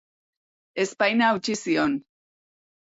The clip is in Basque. Ezpaina hautsi zion.